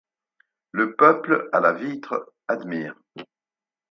Le peuple à la vitre admire